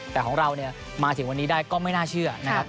แต่ของเราเนี่ยมาถึงวันนี้ได้ก็ไม่น่าเชื่อนะครับ